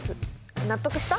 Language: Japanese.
納得した？